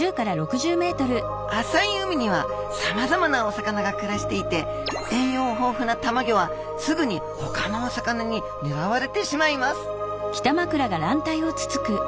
浅い海にはさまざまなお魚が暮らしていて栄養豊富なたまギョはすぐにほかのお魚にねらわれてしまいます